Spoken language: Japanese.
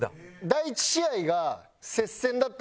第１試合が。